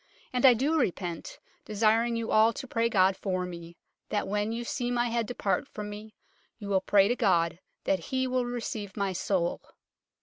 And I do repent, desiring you all to pray God for me, that when you see my head depart from me, you will pray to God that He will receive my soul."